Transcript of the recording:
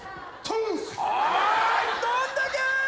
どんだけー。